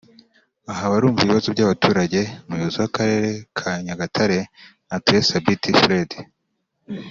Aha barumva ibibazo by’abaturage Umuyobozi w’Akarere ka Nyagatare Atuhe Sabiti Fred